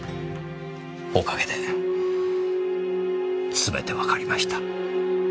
おかげですべてわかりました。